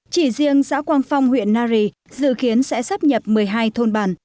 chỉ riêng xã quang phong huyện nari dự kiến sẽ sắp nhập một mươi hai thôn bản